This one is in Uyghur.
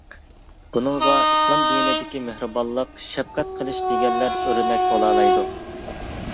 بۇنىڭغا ئىسلام دىنىدىكى مېھرىبانلىق، شەپقەت قىلىش دېگەنلەر ئۆرنەك بولالايدۇ.